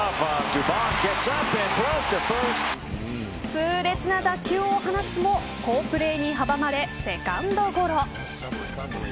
痛烈な打球を放つも好プレーに阻まれセカンドゴロ。